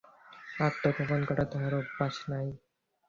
আত্মগোপন করা তাহার অভ্যাস নাই!